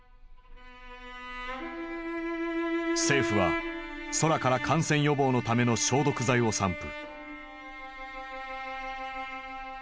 政府は空から感染予防のための消毒剤を散布。